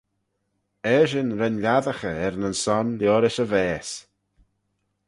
Eshyn ren lhiassaghey er nyn son liorish e vaase.